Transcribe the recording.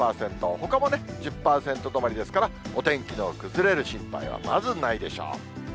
ほかもね、１０％止まりですから、お天気の崩れる心配はまずないでしょう。